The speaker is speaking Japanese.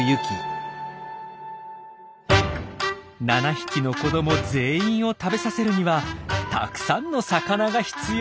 ７匹の子ども全員を食べさせるにはたくさんの魚が必要。